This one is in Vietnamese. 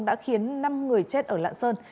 đã khiến năm người chết ở lạng sơn